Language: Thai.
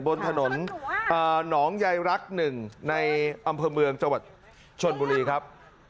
บนถนนหนองใยรัก๑ในอำเภอเมืองจังหวัดชนบุรีครับ